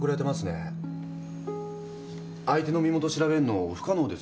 相手の身元調べるの不可能ですよ。